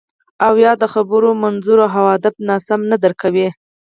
او یا د خبرو منظور او هدف ناسم نه درک کوئ